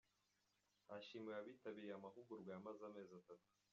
Hashimiwe abitabiriye amahugurwa yamaze amezi atatu.